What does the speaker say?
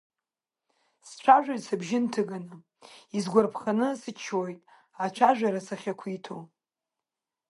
Сцәажәоит сыбжьы нҭыганы, исгәарԥханы сыччоит, ацәажәара сахьақәиҭу…